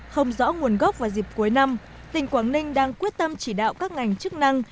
không rõ nguồn gốc vào dịp cuối năm tỉnh quảng ninh đang quyết tâm chỉ đạo các ngành chức năng